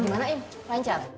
gimana im panjang